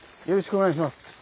よろしくお願いします。